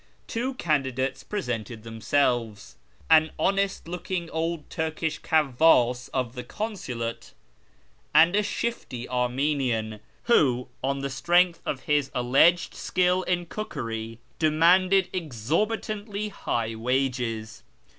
Two candidates presented themselves : an honest looking old Turkish Kavvds of the Consulate, and a shifty Armenian, who, on the strength of his alleged skill in cookery, demanded exorbitantly high wages.